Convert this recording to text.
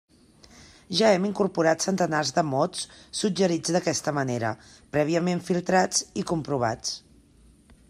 Ja hem incorporat centenars de mots suggerits d'aquesta manera, prèviament filtrats i comprovats.